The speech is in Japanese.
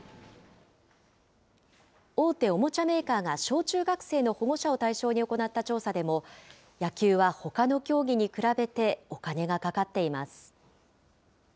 大手おもちゃメーカーが小中学生の保護者を対象に行った調査でも、野球はほかの競技に比べて、お金がかかっています。